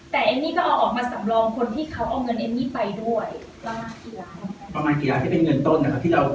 ประมาณกี่ราคาที่เป็นเงินต้นครับ